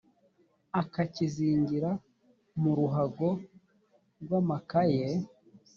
akakizingira mu ruhago rw’amakaye